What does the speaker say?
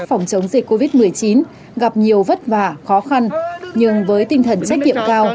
phòng chống dịch covid một mươi chín gặp nhiều vất vả khó khăn nhưng với tinh thần trách nhiệm cao